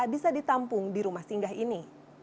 bisa ditampung di rumah singgah ini